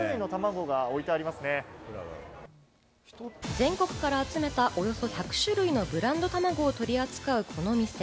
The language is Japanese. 全国から集めたおよそ１００種類のブランドたまごを取り扱う、この店。